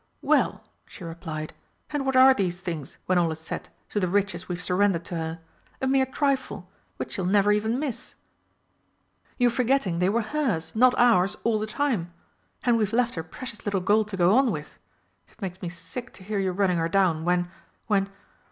"Well," she replied, "and what are these things, when all is said, to the riches we've surrendered to her? A mere trifle which she'll never even miss!" "You're forgetting they were hers not ours all the time. And we've left her precious little gold to go on with. It makes me sick to hear you running her down, when, when